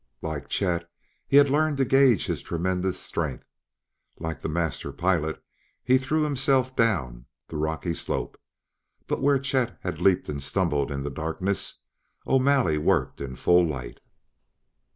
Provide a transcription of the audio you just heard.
Like Chet, he had learned to gage his tremendous strength; like the master pilot, he threw himself down the rocky slope. But where Chet had leaped and stumbled in the darkness, O'Malley worked in full light.